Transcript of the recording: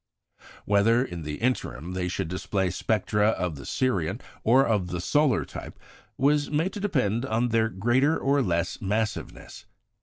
Whether, in the interim, they should display spectra of the Sirian or of the solar type was made to depend on their greater or less massiveness.